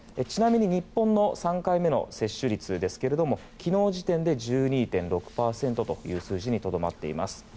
ちなみに日本の３回目の接種率ですが昨日時点で１２．６％という数字にとどまっています。